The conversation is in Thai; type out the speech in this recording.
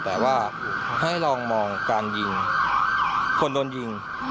แต่ว่าให้ลองมองการยิงคนโดนยิง